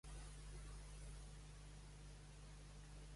Té un paper molt curt, és injugable té paper irrellevant a la història.